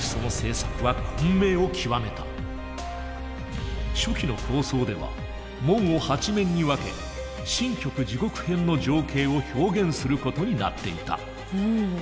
しかし初期の構想では門を８面に分け「神曲・地獄篇」の情景を表現することになっていた。